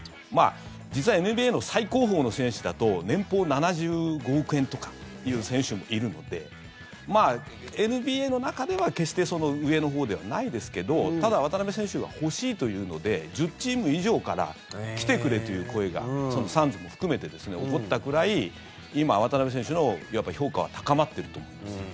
実はＮＢＡの最高峰の選手だと年俸７５億円とかっていう選手もいるのでＮＢＡの中では決して上のほうではないですけどただ渡邊選手が欲しいというので１０チーム以上から来てくれという声がサンズも含めて起こったくらい今、渡邊選手のいわば評価は高まっていると思うんです。